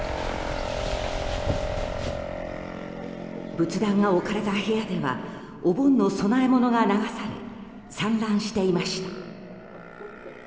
仏壇が置かれた部屋ではお盆の供え物が流され散乱していました。